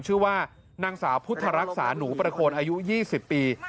ชื่อว่านางสาวพุทธรักษาหนูประโคนอายุ๒๐ปี